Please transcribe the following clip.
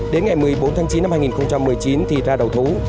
đến ngày một mươi bốn tháng chín năm hai nghìn một mươi chín thì ra đầu thú